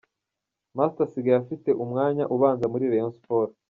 Master asigaye afite umwanya ubanza muri Rayon Sports.